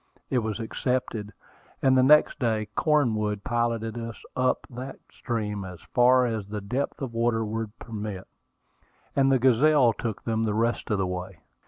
It was accepted; and the next day Cornwood piloted us up that stream as far as the depth of water would permit, and the Gazelle took them the rest of the way.